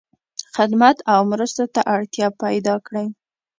خدمت او مرستو ته اړتیا پیدا کړی.